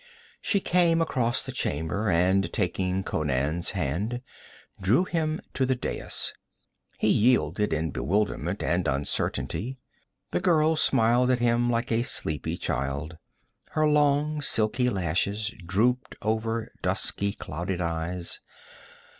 She came across the chamber, and taking Conan's hand, drew him to the dais. He yielded in bewilderment and uncertainty. The girl smiled at him like a sleepy child; her long silky lashes drooped over dusky, clouded eyes.